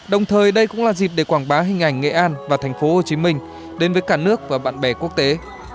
đồng thời đây cũng là dịp để quảng bá hình ảnh nghệ an và tp hcm đến với cả nước và bạn bè quốc tế